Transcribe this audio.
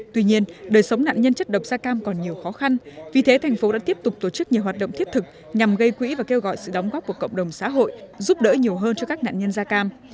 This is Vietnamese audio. tuy nhiên đời sống nạn nhân chất độc da cam còn nhiều khó khăn vì thế thành phố đã tiếp tục tổ chức nhiều hoạt động thiết thực nhằm gây quỹ và kêu gọi sự đóng góp của cộng đồng xã hội giúp đỡ nhiều hơn cho các nạn nhân da cam